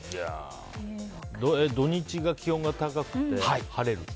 土日が気温が高くて晴れる？